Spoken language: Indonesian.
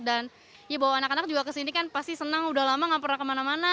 dan ya bahwa anak anak juga kesini kan pasti senang udah lama gak pernah kemana mana